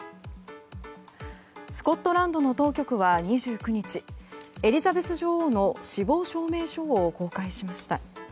スコットランドの当局は２９日エリザベス女王の死亡証明書を公開しました。